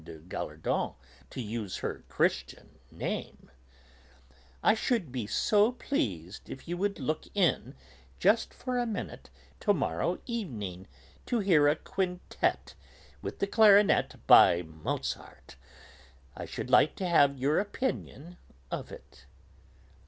de Gallardon to use her Christian name) "I should be so pleased if you would look in, just for a minute, to morrow evening, to hear a quintet, with the clarinet, by Mozart. I should like to have your opinion of it."